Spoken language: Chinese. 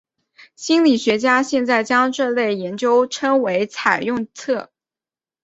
心理学家现在将这类研究称为采用策略。